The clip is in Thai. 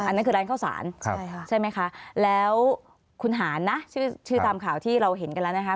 ใช่ค่ะใช่ไหมคะแล้วคุณหารนะชื่อตามข่าวที่เราเห็นกันแล้วนะคะ